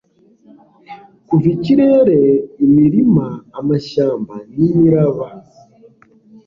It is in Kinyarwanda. Kuva ikirere imirima amashyamba nimiraba